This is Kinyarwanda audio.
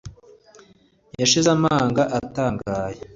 Yashize amanga atangaye